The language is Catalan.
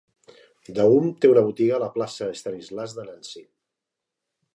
Daum té una botiga a la Plaça Stanislas de Nancy.